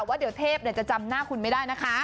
ว่าเดี๋ยวเทพจะจำหน้าคุณไม่ได้นะคะ